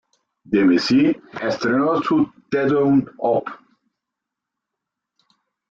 Demessieux estrenó su "Te Deum op.